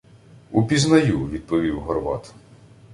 — Упізнаю, — відповів Горват.